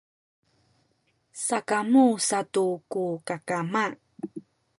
sakamu satu ku kakama